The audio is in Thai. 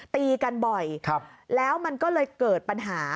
ตีกันบ่อยแล้วมันก็เลยเกิดปัญหา